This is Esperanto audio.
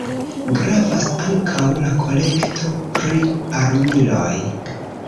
Gravas ankaŭ la kolekto pri armiloj.